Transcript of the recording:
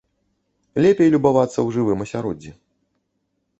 Лепей любавацца ў жывым асяроддзі.